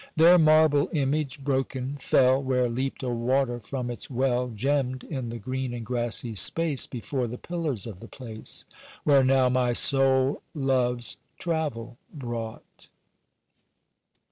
Their marble image broken fell Where leapt a water from its well Gemmed in the green and grassy space Before the pillars of the place, Where now my soul love's travel brought.